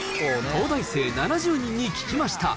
東大生７０人に聞きました。